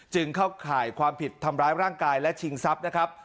เข้าข่ายความผิดทำร้ายร่างกายและชิงทรัพย์นะครับ